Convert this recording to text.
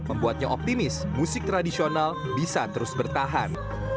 membuatnya optimis musik tradisional bisa terus bertahan